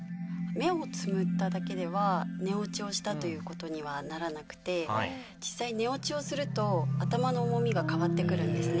目をつむっただけでは寝落ちをしたという事にはならなくて実際寝落ちをすると頭の重みが変わってくるんですね。